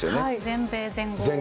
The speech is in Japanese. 全米、全豪。